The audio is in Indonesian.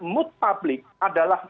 mood public adalah